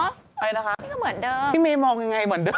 อะไรล่ะคะนี่ก็เหมือนเดิมพี่เมย์มองยังไงเหมือนเดิ